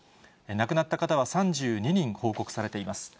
亡くなった方は３２人報告されています。